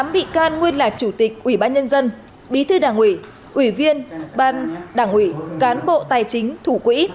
tám bị can nguyên là chủ tịch ủy ban nhân dân bí thư đảng ủy ủy viên ban đảng ủy cán bộ tài chính thủ quỹ